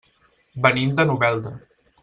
Venim de Novelda.